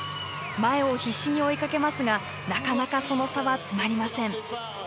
前を必死に追いかけますがなかなか、その差は詰まりません。